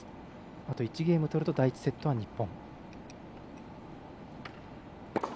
あと１ゲーム取ると第１セットは日本。